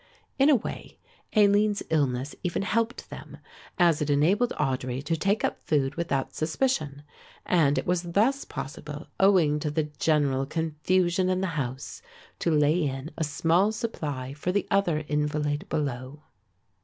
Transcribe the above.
In a way Aline's illness even helped them, as it enabled Audry to take up food without suspicion, and it was thus possible, owing to the general confusion in the house, to lay in a small supply for the other invalid below.